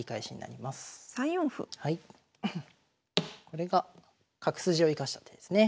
これが角筋を生かした手ですね。